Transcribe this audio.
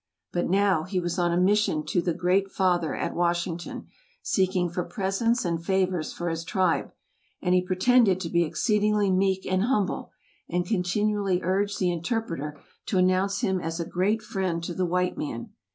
But now he was on a mission to the "Great Father" at Washington, seeking for presents and favors for his tribe, and he pretended to be exceedingly meek and humble, and continually urged the interpreter to announce him as a "great friend to the white man."